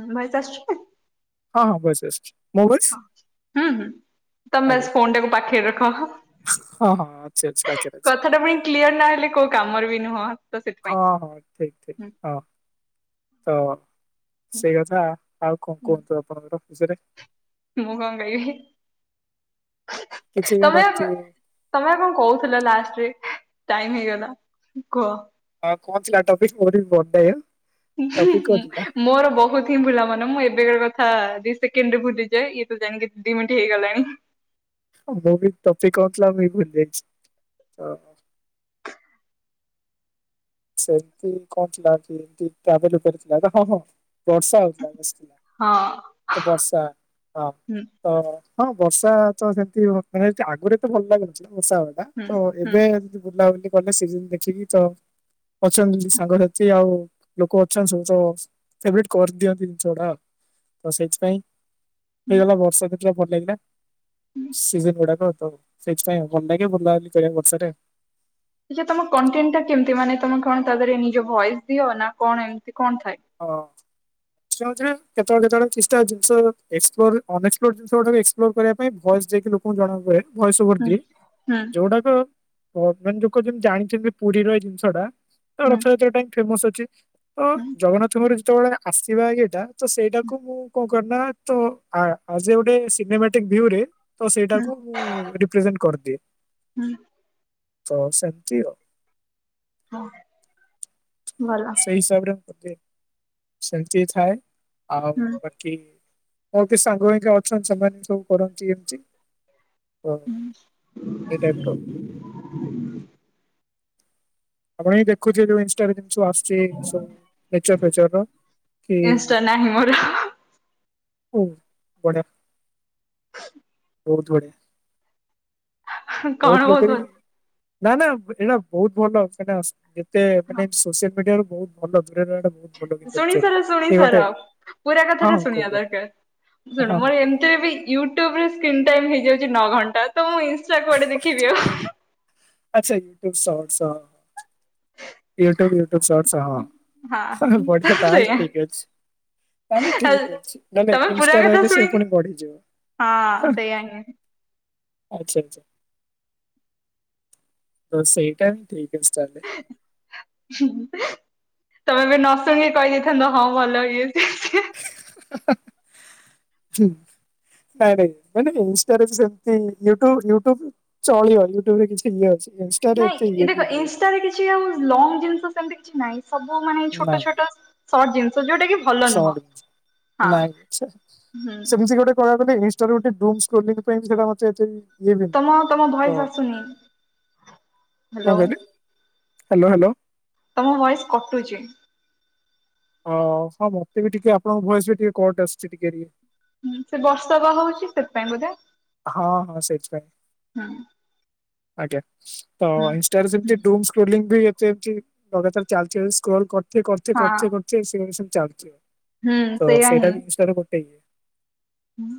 ମୋ ଭଏସ ଆସୁଚି? ହଁ ହଁ ଭଏସ୍ ଆସୁ। ମୋ ହଁ ହୁଁ ହୁଁ ତମେ ବାଶ୍ ଆଜ୍ଞା ଫୋନ୍ ଟାକୁ ପାଖେରେ ରଖ। ହଁ ହଁ ଅଛି ଅଛି ପାଖରେ ଅଛି କଥାଟା ପୁଣି କ୍ଲିୟର୍ ନ ହଲେ କୋଉ କାମରେ ବି ନୁହଁ ତ ହଁ ସେଥିପାଇଁ। ହଁ ଠିକ୍ ଠିକ୍ ହଁ ତ ସେଇ କଥା ଆଉ କଣ କୁହନ୍ତୁ ଆପଣଙ୍କର ପଝରୋ [unintelligible] ମୁଁ କଣ କଇବି? କିଛି ମାନେ ତମେ ଆଉ ଏମିତି ତମେ ଏକା କଣ କହୁଥିଲ ଲାଷ୍ଟରେ ଟାଇମ ହେଇଗଲା କୁହ। ହଁ କଣ ଥିଲା ଟପିକ ମୋରି [unintelligible] ହୁଁ ମୋର ବହୁତ ହି ଭୁଲା ମନ ମୁଁ ଏବେ କ କ ହଁ ଦି ସେକଣ୍ଡରେ ଭୁଲି ଯାଏ ଇଏ ତ ଜାଣିକି ଦିଇ ମିିନଟ ହେଇଗଲାଣି। ମୋର ବି ଟପିକ କଣ ଥିଲା ମୁଁ ବି ଭୁଲିଯାଇଛି ତ ସେମତି କଣ ଥିଲା କି ଏମତି ଟ୍ରାଭେଲ ଉପରେ ଥିଲା ବା ହଁ ହଁ ବର୍ଷା ହଉଥିଲା। ହଁ ତ ବର୍ଷା ହଁ ହୁଁ ତ ହଁ ବର୍ଷା ତ ସେମିତି [unintelligible] ଆଗରୁ ଏତେ ଭଲ ଲାଗୁନଥିଲା। ବର୍ଷା ହବଟା ହୁଁ ତ ହୁଁ। ଏବେ ଯଦି ବୁଲାବୁଲି କଲେ ସିଜିନ ଦେଖିକି ତ ଅଛନ୍ତି କିଛି ସାଙ୍ଗସାଥି ଆଉ ଲୋକ ଅଛନ୍ତି ସବୁ ତ ଫେବରେଟ୍ କରିଦିଅନ୍ତି ଜିନିଷ ଗୁଡା ତ ସେଇଥିପାଇଁ। ହେଇଗଲା ବର୍ଷା ଦିନ ଭଲ ଲାଗିଲା ସିଜନ୍ ଗୁଡାକ। ତ ସେଇଥିପାଇଁ ଭଲ ଲାଗେ ବୁଲାବୁଲି କରିଆକୁ ବର୍ଷାରେ। ଆଛା ତମ କଣ୍ଟେଣ୍ଟ୍ ଟା କେମିତି ମାନେ ତମେ କଣ ତା ଦେହରେ ନିଜ ଭଏସ୍ ଦିଅ ନା କଣ ଏମତି? କଣ ଥାଏ? ଜାଣିଚ ନା କେତେଳେ କେତେବେଳେ କିଛି ଟା ଜିନିଷ ଏକ୍ସପଲୋର ଅନଏକ୍ସପ୍ଲୋର୍ସ୍ ଜିନିଷ ଗୁଡାକ ଏକ୍ସପ୍ଲୋର୍ର କରିବା ପାଇଁ ଭଏସ ଯାଇକ କି ଲୋକଙ୍କୁ ଜଣା ହୁଏ ହୁଁ ଭଏଶୱର୍ଦୀ ହୁଁ ଯୋଉଡାକ ଅ ମାନେ ଲୋକ ଯେମତି ଜାଣିଛନ୍ତି ପୁରୀର ଏଇ ଜିନିଷଟା ହୁଁ। ରଥଯାତ୍ରା ଟା ହିଁ ଫେମସ୍ ଅଛି ତ ହୁଁ ଜଗନ୍ନାଥଙ୍କର ଯେତେବେଳେ ଆସିବା ଇଏଟା ତ ସେଇଟାକୁ ମୁଁ କଣ କରିନା ତ ଆ ଆଜ ଏ ଗୋଟେ ସିନେମାଟିକ ଭ୍ୟୁ ରେ ତ ହୁଁ ସେଇଟାକୁ ମୁଁ ରିପ୍ରେଜେଣ୍ଟ କରିଦିଏ। ହୁଁ ତ ସେମତି ଆଉ। ହଁ। ଭଲ ସେଇ ହିସାବରେ ବୋଧେ ସେମତି ଥାଏ। ଆଉ ହୁଁ ବାକି କୁହନ୍ତି ସାଙ୍ଗ ଏଇକା ଅଛନ୍ତି ସେମାନେ ସବୁ କରନ୍ତି ଏମିତି ତ ଏଇ ଟାଇପ ର ହୁଁ। ଆପଣ ବି ଦେଖୁଚ ଯୋଉ ଇନଷ୍ଟା ଭିତ୍ ସ ଆସଛି ସ ନେଚର ଫେଚର କି ହ ଓ ବଢ଼ିଆ ହ ବହୁତ ବଢିଆ। ବହୁତ କଣ ଲୋକ ବି କହୁଛନ୍ତି? ନା ନା ଏଇଟା ବହୁତ ଭଲ ସେ ଯେତେ ହଁ ମାନେ ସୋସିଆଲ ମିଡିଆ ର ବହୁତ ଭଲ। ଦୂରରେ ରହିବାଟା ବହୁତ ଭଲ କିନ୍ତୁ ଶୁଣି ଆକ୍ଚୁଆଲି ସାର ଶୁଣି ଏଇ ଗୋଟେ ସାର ପୁରା କଥା ହଁ ଟା ହଁ କୁହ ଶୁଣିବା କୁହ ଦରକାର। ଶୁଣ ହଁ ହଁ ମୋର କୁହ ଏମିତିରେ ବି ୟୁଟ୍ୟୁବରେ ସ୍କ୍ରିନ୍ ଟାଇମ୍ ହେଇଯାଉଛି ନଅ ଘଣ୍ଟା। ତ ମୁଁ ଇନଷ୍ଟା କୁଆଡେ ଦେଖିବି ଆଉ। ଆଚ୍ଛା YouTube shorts YouTube YouTube shorts ହଁ ବଢିଆ ତାହାଲେ ଠିକ ଅଛି। ତାହେଲେ ଆଉ ଠିକ ଅଛି ନହଲେ ତମେ ପୁରା ଇନଷ୍ଟା କଥା ରହିଲେ ସେ ଶୁଣିକି ପୁଣି ବଢିଯିବ। ହଁ ସେଇୟା ହିଁ। ଆଚ୍ଛା ଆଚ୍ଛା। ତ ସେଇଟା ଠିକ୍। ହି ହିଁ ହା। ତମେବି ନ ଶୁଣିକି କହିଦେଇଥାନ୍ତ ହଁ ଭଲ ଇଏ ହେଇଚି ହା ହା ହା ହୁଁ। ନାଇଁ ନାଇଁ ନାଇ ଇନଷ୍ଟାରେ ସେମତି ୟୁଟ୍ୟୁବ ୟୁଟ୍ୟୁବ ଚଳିବ ୟୁଟ୍ୟୁବ ରେ କିଛି ଇଏ ଅଛି ଇନଷ୍ଟାରେ ଏତେ ନାଇଁ ଇଏ ବି ଦେଖ ନୁହେଁ ଇନଷ୍ଟାରେ କିଛି ଆଉ ଲଙ୍ଗ ଜିନିଷ ସେମିତି କିଛି ନାଇଁ ସବୁ ମାନେ ଛୋଟ ଛୋଟ ଶର୍ଟ ଜିନିଷ ଯୋଉଟା କି ଭଲ ନୁହଁ ଶର୍ଟ ହଁ ନାଇଁ ହୁଁ ସେମିତି ଗୋଟେ କଣ କହିବାକୁ ଗଲେ ଇନ୍ଷ୍ଟା ରେ ଗୋଟେ ଡୂମ୍ସ୍ ଖୋଲିବାପାଇଁ ସେଟା ମତେ ଏତେ ବି ଇଏ ନୁହେଁ ତମ ତମ ତ ଭଏସ ଆସୁନି। କଣ ହ୍ୟାଲୋ କହିଲେ ହ୍ୟାଲୋ ହ୍ୟାଲୋ। ତମ ଭଏସ କଟୁଛି। ଓ ହଁ ମତେ ବି ଟିକେ ଆପଣଙ୍କ ଭଏସ ବି ଟିକେ କଟ୍ ଆସୁଛି ଟିକେ ଟିକେ ହଁ ସେ ବର୍ଷା ବା ହଉଛି ସେଥିପାଇଁ ବୋଧେ ହଁ ହଁ ସେଥିପାଇଁ ହୁଁ ଆଜ୍ଞା। ତ ହୁଁ ଇନଷ୍ଟାରେ ହୁଁ, ସେମିତି ଡୂମ୍ସ ଟ୍ରୋଲିଂ ବି ଏତେ ଏମିତି ଲଗାତାର ଚାଲିଚି ସ୍କ୍ରଲ କରତେ କରତେ ହଁ କରତେ ସେ ସେମିତି ଚାଲିଛି ହୁଁ ତ ସେଇଟା ଜିନିଷ ଗୋଟେ ଇଏ ହୁଁ।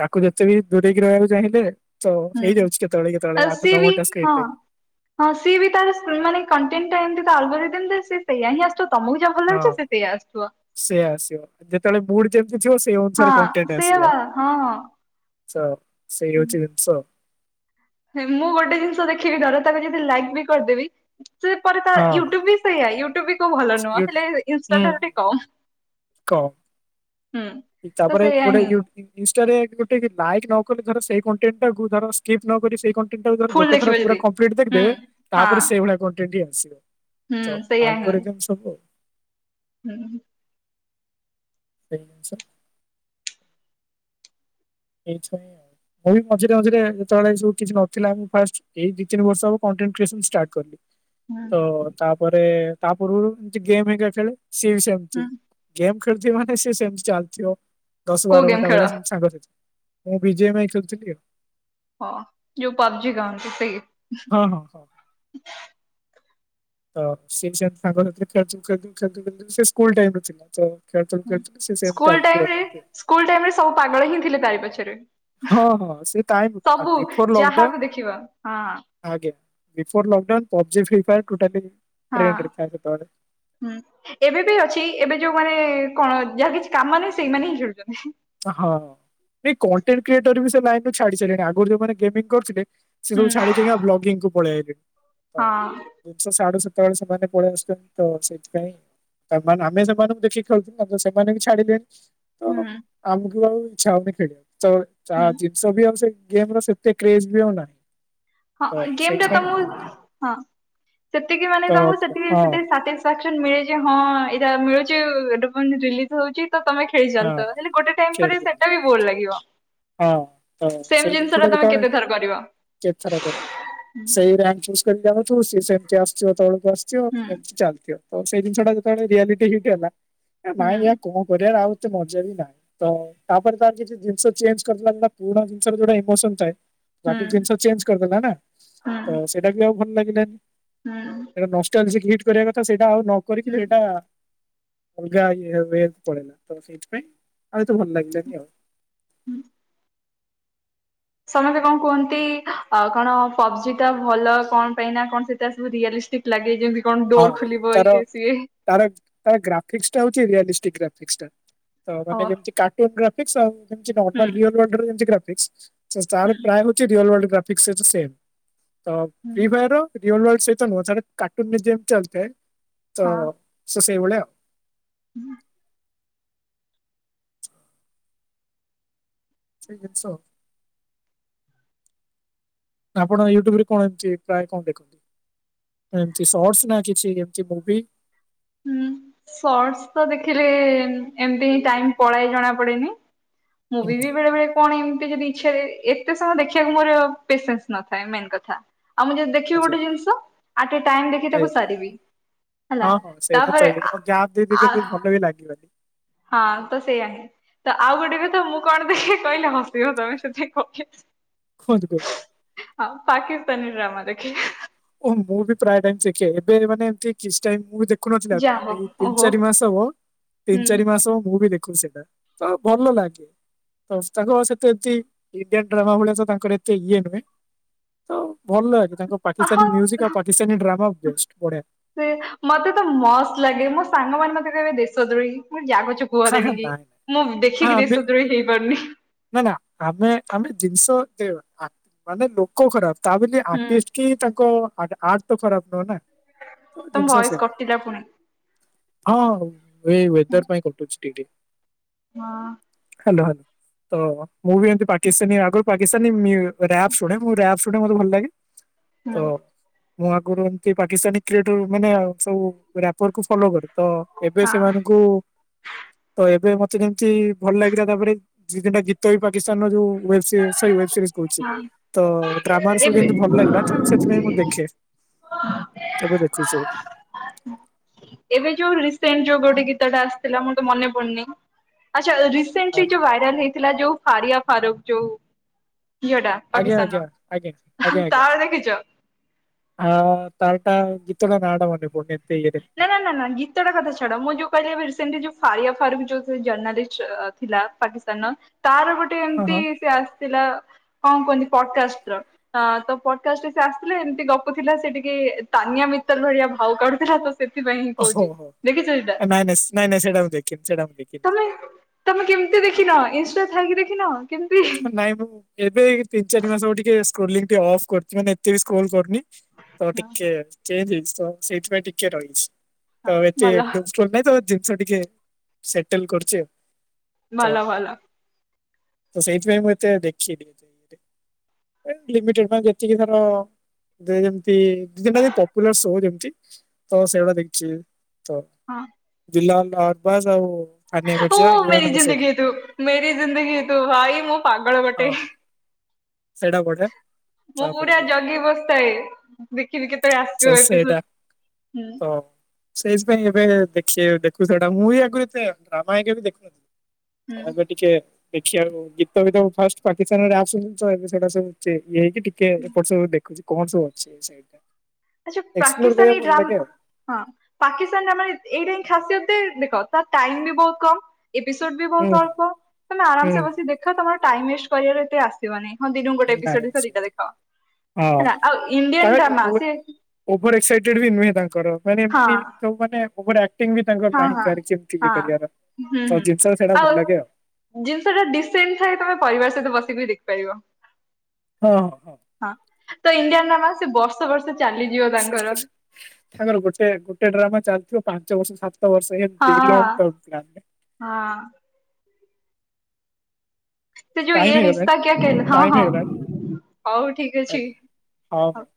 ତାକୁ ଯେତେ ବି ଦୂରେଇକି ରହିବାକୁ ଚାହିଁଲେ ତ ହୁଁ ହେଇଯାଉଛି କେତେବେଳେ କେତେବେଳେ ଆଉ ଆଠ ସିଏ ନଅ ବି ଘଣ୍ଟା ସ୍କ୍ରିନ୍ ହଁ ଟାଇମ୍ ହଁ ସିଏ ବି ତାର ସ୍ ମାନେ କଣ୍ଟେଣ୍ଟ ଟା ଏମତି ଆଲବମରେ ମିତି ସେଇହିଁ ଆସୁଥିବ ତମକୁ ଯାହା ଭଲ ଲାଗୁଚି ସେ ସେଇଆ ଆସୁଥିବ ସେଇଆ ଆସିବ ଯେତେବେଳେ ମୁଡ ଯେମତି ଥିବ ସେଇ ଅନୁସାରେ ହଁ କଣ୍ଟେଟ ସେଇଆ ଆସିବ। ବା ହଁ ହଁ ଚା ସେଇ ହୋଉଛି ଜିନିଷ ମୁଁ ଗୋଟେ ଜିନିଷ ଦେଖିବି ଧର ତାକୁ ଯଦି ଲାଇକ୍ ବି କରିଦେବି ସେ ପରେ ତ ହଁ ୟୁଟ୍ୟୁବ ବି ସେଇଆ ୟୁଟ୍ୟୁବ ବି କୋଉ ଭଲ ନୁହଁ ହେଲେ ଇନଷ୍ଟା ଟା କମ୍ କ ହୁଁ। ତ ତାପରେ ସେଇଆ ଗୋଟେ ହିଁ ୟୁଟ୍ୟୁବ ଇନଷ୍ଟାରେ ଗୋଟେ ଲାଇକ ନ ହିଲି ଧର ସେଇ କଣ୍ଟେଣ୍ଟ ଟାକୁ ଧର ସ୍କିପ ନ କରି ସେଇ କଣ୍ଟ ଣ୍ଟେ ଟାକୁ ଧର ଫୁଲ ଗୋଟେ ଥର ଦେଖିବ ପୁରା ଯଦି କଂପ୍ଲିଟ୍ ହୁଁ କରିଦେବେ ହଁ ତାପରେ ସେଇଭଳିଆ ଆସିବ କଣ୍ଟେଣ୍ଟ ହିଁ ଆସିବ। ହୁଁ ତ ସେଇଆ ହିଁ। ଆଲଗରେ କେମ ସବୁ ହୁଁ। ସେଇ ସ [unintelligible] ଏଇ ମଝିରେ ମଝରେ ଯେତେବେଳେ ସବୁ କିଛି ନଥିଲା ମୁ ଫାଷ୍ଟ ଏଇ ଦିଇ ତିନି ବର୍ଷ ହବ କଣ୍ଟେଣ୍ଟ କ୍ରିଏସନ ଷ୍ଟାର୍ଟ କଲି। ହୁଁ ତ ତାପରେ ତା ପୂର୍ବରୁ ଏମତି ଗେମ ହେଇ ସେ ସେମତି ହୁଁ ଗେମ ଖେଳୁଥିବେ ମାନେ ସେ ସେମତି ଚାଲଥିବ। ଦଶ କୋଉ ବାର ଗେମ୍ ଘଣ୍ଟା ଖେଳ ଭଳିଆ ସାଙ୍ଗ ମୁଁ ବିଜେ ପାଇଁ ଖେଳୁଥିଲି। ହଁ ଯୋଉ ପାବଜି ଗାନନ୍ତି ସେଇ। ହଁ ହଁ ହଁ ହ ହଁ ସେ ବି ସାଙ୍ଗ ସାଥି ରେ ଖେଳୁଥିବି ଖେଳୁ ଥିବି ସେ ସ୍କୁଲ ଟାଇମ ରେ ଥିଲା। ଖେଳୁଥିଲୁ ଖେଳୁଥିଲୁ ସେ ସେମିତି ସ୍କୁଲ ଟାଇ ଚାଲିଥିବ ଏମିତି ଆଉ। ସ୍କୁଲ ଟାଇମରେ ସବୁ ପାଗଳ ହିଁ ଥିଲେ ତାରି ପଛରେ ହଁ ହଁ ସେ ଟାଇ ସବୁ ବିଫୋର ଲକ ଯାହାକୁ ଦେଖିବ ହଁ ଡାଉନ ଆଜ୍ଞା before lockdown PUBG free fire ହଁ ଟ୍ରେଣ୍ଡରେ ଥାଏ ସେତେବେଳେ ହୁଁ ଏବେ ବି ଅଛି ଏବେ ଯୋଉଁ ମାନେ କଣ ଯାହା କିଛି କାମ ନ ନାହିଁ ସେଇମାନେ ହିଁ ଖେଳୁଛନ୍ତି। ହଁ ନାଇଁ କଣ୍ଟେଣ୍ଟ କ୍ରିଏଟର ବି ସେ ଲାଇନ ରୁ ଛାଡି ସାରିଲଣି ଆଗରୁ ଯୋଉଁମାନେ ଗେମିଙ୍ଗ କରୁଥିଲେ ସେ ସବୁ ହୁଁ। ଛାଡିକ ଦେଇକିନା ବ୍ଲଗିଙ୍ଗ କୁ ପଳେଇ ଆଇଲେଣି ହଁ [unintelligible] ତବେଳେ ସେମାନେ ପଳେଇ ଆସୁଛନ୍ତି ତ ସେଇଥିପାଇଁ ଆମେ ସେମାନଙ୍କୁ ଦେଖିକି ଖେଳୁ ସେମାନେ ବି ଛାଡିଲେନି ହୁଁ। ବା ଇଛା ଖେଳିବା ହୁଁ ଜିନିଷ [unintelligible] ଗେମ ସେତେ କ୍ରେଜ [unintelligible] ହଁ ଗେମ୍ ଟା ସେଇଥିପାଇଁ ତମ ହଁ ସେତିକି ତ ମାନେ ତମକୁ ହଁ ସେତିକି ହଁ ଏଇଟା ମିଳୁଛି ଏଇଟା ରିଲିଜ ହଉଛି। ତମେ ଖେଳି ହଁ ଚାଲିଥିବ ତ ଗୋଟେ ଟାଇମ ପରେ ଖେଳିବି ସେଟା ବି ବୋର ଲାଗିବ। ହଁ ତ ସେମ ସେଇ ଜିନିଷ ଟା ତମେ ଯେତେବେଳେ କେତେ [unintelligible] [unintelligible] ଥର କରିବ। ହୁଁ ଚାଲି ଥିବ ତ ହୁଁ ସେଇ ଜିନିଷଟା ଯେତେବେଳେ ରିଆଲିଟି ହିଟ୍ ହେଲା ହୁଁ ନାଇଁ କଣ କରିବାର ଆଉ ଏତେ ମଜା ବି ନାହିଁ ତ ତାପରେ ତ କିଛି ଜିନିଷ ଚେଞ୍ଜ [unintelligible] ପୁରୁଣା ଜିନିଷରେ ଇମୋସନ୍ ଥାଏ। ହୁଁ ବାକି ଜିନିଷ ଚେଞ୍ଜ କରିଦେଲା ନା ତ ସେଇଟା ବି ଆଉ ଭଲ ଲାଗିଲାନି। ହୁଁ ସେଟା ନଷ୍ଟ ହେଲେ ସେ ହିଟ କରିବା କଥା ସେଇଟା ଆଉ ନକରିକି ହୁଁ ହେଇଟା ଅଲଗା ଇ ପଳେଇଲେ ତ ସେଇଥିପାଇଁ ଆଉ ତ ଭଲ ଲାଗିଲାନି ଆଉ। ହୁଁ ସମସ୍ତେ କଣ କୁହନ୍ତି କଣ ପବଜି ଟା ଭଲ କଣ ପାଇଁ ନା କଣ ସେଟା ସବୁ ରିୟଲି ଠିକ ଲାଗେ ଯେମିତି କଣ ହଁ ଡୋର ଖୋଲିବ ତାର ଇଏ ସିଏ ତାର ତାର ଗ୍ରାଫିକ୍ସ ଟା ହଉଛି ରିୟା ହଁ [unintelligible] କାର୍ଟୁନ ଗ୍ରାଫିସ ହୁଁ ହୁଁ ହୁଁ [unintelligible] [unintelligible] ରିୟଲ ଲାଇଫ ସହ ନୁହେଁ ସେ କାର୍ଟୁନ ଚାଲିଥାଏ ତ ସେସବୁ ଭଳିଆ। ହୁଁ ସେଇ ଜିନିଷ ଆପଣ ୟୁଟ୍ୟୁବ ରେ କଣ ଏମିତି ପ୍ରାୟ କଣ ଦେଖନ୍ତି। ଏମିତି ସଟ ନା କିଛି ଏମିତି ମୁଭି? ହୁଁ ସଟ ତ ଦେଖିଲେ ଏମତି ଟାଇମ ପଳାଏ ଜଣା ପଡ଼େନି। ମୁଭି ବେଳେ ବେଳେ କଣ ଏମିତି ଯଦି ଇଛା ଏତେ ସମୟ ଦେଖିବାକୁ ମୋର ପେସେସ ନଥାଏ ମେନ କଥା। ଆଉ ମୁଁ ଯଦି ଦେଖିବି ଆଚ୍ଛା ଗୋଟେ ଜିନିଷ ଆ ଟେ ଟାଇମ ଦେଖି ଏ ତାକୁ ସାରିବି। ହେଲା ହଁ ହଁ ସେଇଟା ତ ତାପରେ ହେଇଯ ଆଉ ଗ୍ୟାପ ଦେଇ ଆ ଦେଇ ଭଲ ଆ ବି ଲାଗିବନି। ହଁ ତ ସେଇୟା ହିଁ ତ ଆଉ ଗୋଟେ କଥା ମୁ କରିଦେବି କହିଲେ ହସିବ ତମେ ସେଥି କ ଖୋଜ କର। ପାକିସ୍ତାନୀ ଡ୍ରାମା ଦେଖେ। ଓ ମୁଁ ବି ପ୍ରାୟ ଟାଇମ ଶିଖେ ଏବେ ମାନେ ଏମତି କିଛି ଟାଇମ୍ ମୁଁ ବି ଦେ ଦେଖୁନଥିଲା ଯାହା ଆଗରୁ ହଉ ଏଇ ତିନି ଓହୋ ଚାରି ମାସ ହବ ହୁଁ ତିନି ଚାରି ମାସ ହ ମୁଁ ବି ଦେ ଖୁଚି ସେଟା ତ ଭଲ ଲାଗେ। ତ ତାଙ୍କ ସେତେ ଏମତି ଇଣ୍ଡିଆନ୍ ଡ୍ରାମା ଭଳିଆ ତ ତାଙ୍କର ଏତେ ଇଏ ନୁହେଁ। ତ ଭଲ ଲାଗେ ତାଙ୍କ ପାକିସ୍ତାନୀ ମ୍ୟୁଜିକ ଆଉ ହଁ ପାକିସ୍ତାନୀ ଡ୍ରାମା ବେଷ୍ଟ ବଢିଆ। ସେ ମତେ ତ ମସ୍ତ ଲାଗେ ମୋ ସାଙ୍ଗ ମାନେ ମତେ ଏବେ ଦେଶ ଦ୍ରୋହୀ ମୁଁ ଜା କହୁଚ କୁହ ହାଁ ହାଁ ଦେଣିକି ନାଇଁ। ହଁ ମୁଁ ଦେଖିକି ଆମେ ଦେଶ ଦ୍ରୋହୀ ହେଇପାରୁନି। ନା ନା ଆମେ ଆମେ ଜିନିଷ ଦେବା ମାନେ ଲୋକ ଖରାପ। ତାବୋଲି ହୁଁ ଆଟିଷ୍ଟ କି ତାଙ୍କ ଆଟ ଆର୍ଟ ତ ଖରାପ ନୁହଁ ନା। ତ ତମ ଜିନିଷ ଭୟସ ସେଇଆ। କଟିଲା ପୁଣି। ହଁ ହଁ ଏ ୱେଦର ପାଇଁ କଟୁଛି ଟିକେ। ହଁ। Hello hall. ତ ମୁଁ ବି ଏମିତି ପାକିସ୍ତାନୀ ଆଗରୁ ପାକିସ୍ତାନୀ ମୀୟୁ ରାବ ଶୁଣେ ମୁଁ ରାବ ଶୁଣେ ମତେ ଭଲ ଲାଗେ। ତ ହଁ। ମୁଁ ଆଗରୁ ଏତି ପାକିସ୍ତାନୀ କ୍ରେଟ ମାନେ ସବୁ ରାପର କୁ ଫଲୋ କରେ। ତ ଏବେ ହଁ ସେମାନଙ୍କୁ ତ ଏବେ ମତେ ଯେମିତି ଭଲ ଲାଗିଲା ତାପରେ। ସେ ତିନିଟା ଗୀତ ବି ପାକିସ୍ତାନର ଯୋଉ ୱେବ୍ବସି ୱପ୍ସୀ କରୁଛି। ହଁ। ତ ଡ୍ରାମାରେ ସବୁ ଏବେ ଏମିତି ଭଲ ଲାଗିଲା ତ ମୁ ସେଥିପାଇଁ ମୁଁ ଦେଖେ। ଏବେ ଦେଖୁଛି ସବୁ। ଏବେ ଯୋଉ ରିସେଣ୍ଟ ଯୋଉ ଗୋଟେ କି ସେଟା ଆସିଥିଲା ମୁଁ ତ ମନେ ପଡୁନି ଆଚ୍ଛା ରିସେଣ୍ଟଲି ହଁ ଯୋଉ ଭାଇରାଲ ହେଇଥିଲା ଯୋଉ ହାରିଆ ଫାରୁଖ ଯଉ। ଝିଅ ଟା ଆଜ୍ଞା ଆଜ୍ଞା ପାକିସ୍ତାନର ତାର ଦେଖିଛ? ହଁ ତାରଟା ଗୀତ ଟା ନା ଟା ମନେ ପଡୁନି। ଏତେ ଇଏରେ ନା ନା ନା ନା ଗୀତଟା କଥାଛାଡ ମୁ ଯୋଉ କହିଲି ଏବେ ରିସେଣ୍ଟଲି ଯୋଉ ଫାରିଆ ଫାରୁଖ ଯୋଉ ଜର୍ଣାଲିଷ୍ଟ ଥିଲା ପାକିସ୍ତାନର ତାର ଗୋଟେ ହଁ ହଁ। ଏମିତି ସେ ଆସିଥିଲା। କଣ କୁହନ୍ତି ପଡକାଷ୍ଟ ର ତ ପଡକାଷ୍ଟରେ ସେ ଆସିଥିଲେ ଏମିତି ଗପୁ ଥିଲା ସେ ଟିକେ ତାନିଆ ମୀ ଉତଲ ଭଳିଆ ଭାଉ କା ଥିଲା ତ। ସେଥିପାଇ ହିଁ କହୁଛି ଓହୋ ଦେଖିଛ ଏଇଟା? ନାଇଁ ନାଇଁ ନାଇଁ ନାଇଁ ସେଇଟା ମୁଁ ଦେଖିନି ସେଇଟା ମୁଁ ଦେଖିନି ତମେ ତମେ କେମିତି ଦେଖିନ ଇନ୍ଷ୍ଟା ଥାଇକି ବି ନାଇଁ ମୁଁ ଏବେ ତିନି ଚାରି ମାସ ଟିକେ ସ୍କ୍ରଲିଂ ଟିକେ ଅଫ୍ କରୁଛି ମାନେ ଏତେ ବି ସ୍କ୍ରୋଲ କରୁନି। ତ ହଁ ଟିକେ ଚେଞ୍ଜ ହେଇଛି ତ ସେଇଥିପାଇଁ ଟିକେ ରହିଛି। ହଁ। ତ ଏତେ ଭଲ ଇନଷ୍ଟଲ ନାଇଁ ତ ଜିନିଷ ଟିକେ ସେଟଲ କରୁଛି ଆଉ। ତ ଭଲ ଭଲ। ତ ସେଇଥିପାଇଁ ମୁଁ ଏତେ ଦେଖିନୀ ଏ ଲିମିଟେଡ ପାଇଁ ଯେତିକିଧର ଦେ ଯେମତି ଦି ପପୁଲାର ଶୋ ଯେମତି ତ ସେଇଗୁଡା ଦେଖିଛି। ହ ହଁ ଦିଲଲ ଅବାଜ ଆଉ। ଆନିଆ ଓ ମିର୍ଜା ମେରି ଏଇମାନଙ୍କ ଜିନ୍ଦଗି ସହିତ ହେ ତୁ ମେରି ଜିନ୍ଦଗୀ ହେ ତୁ। ଭାଇ ମୁଁ ପାଗଳ ଗୋଟେ। ହଁ ହଁ ସେଇଟା ବଢିଆ ମୁଁ ପୁରା ତାପରେ ଜଗି ବସିଥାଏ ଦେଖିବି କେତେବେଳେ ତ ଆସିବ ଏପିସୋ ସେଇଟା ହୁଁ। ତ ସେଇଥିପାଇଁ ଏବେ ଦେଖ ଦେଖୁ ସେଟା ମୁଁ ବି ଆଗରୁତେ ଡ୍ରାମା ଆଜ୍ ବି ହୁଁ ଦେଖୁନଥିଲି। ଏବେ ଟିକେ ଦେଖିବାକୁ ଗୀତ ଫିତ ଫାଷ୍ଟ ପାକିସ୍ତାନରେ ଆସୁନ ତ ଏବେ ସେଇଟା ସୁଛି। ଇଏ ହେଇକି ଟିକେ ଏପଟ ସବୁ ଦେଖୁଛି କଣ ସବୁ ଅଛିଇ। ଆଛା ପାକିସ୍ତାନ ଡ୍ରାମ ହଁ ପାକିସ୍ତାନ ଡ୍ରାମ ଏଇଟା ହିଁ ଖାସିତ। ତେ ଦେଖ ତ ଟାଇମ ବି ବହୁତ କମ୍ ଏପିସୋଡ ବି ହୁଁ ବହୁତ ଅଳ୍ପ ତମେ ହୁଁ ଆରାମସେ ବସି ଦେଖ ତମର ଟାଇମ ୱେଷ୍ଟ କରିବାରେ ଏତେ ଆସିବନି। ହଁ ଦିନ କୁ ଗୋଟେ ନାଇଁ ଏପିସୋଡ ସେ ଦିଟା ଦେଖ ହଁ ହେଲା ଆଉ ଇଣ୍ଡିଆନ ତାପରେ ଡ୍ରାମା ସେ ଓଭର ଏକ୍ସାଇଟେଡ ବି ନୁହେଁ ତାଙ୍କର ମାନେ ହଁ ଏମତି ଯୋଉ ମାନେ ଓଭରରିୟା ଟିଙ୍ଗି ତାଙ୍କର ହଁ ନାହିଁ ହଁ ଚାରି ଚେମତି ଇଏ ହଁ କରିବାର ତ ଜିନିଷ ସେଇଟା ଭଲଲାଗେ ଆଉ। ଜିନିଷଟା ଡିସେଣ୍ଟଥାଏ ତମେ ପରିବାର ସହିତ ବସିକି ବି ଦେଖିପାରିବ। ହଁ ହ। ହଁ ତ ଇଣ୍ଡିଆରନା ସେ ବର୍ଷେ ବର୍ଷେ ହିଁ ହିଁ ତାପରେ ଗୋଟେ ଗୋଟେ ଡ୍ରାମା ଚାଲିଥିବ ପାଞ୍ଚ ବର୍ଷ ସାତ ତ ବର୍ଷ ଏମିତି ହଁ ଲଙ୍ଗ ଟମ୍ କ୍ଲାପ୍ ରେ। ହଁ ସିଏ ଯୋଉ ୟେ ଟାଇମ ହେଇଗଲାଣି ରିସ୍ତା କ୍ୟା କେହେ ଲା ହଁ ଟାଇମ ହଁ। ହେଇଗଲାଣି ହଉ ଠିକଅଛି ଆଜ୍ଞା ହଉ।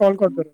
କଲ୍ କଟ କରନ୍ତୁ।